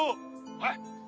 はい！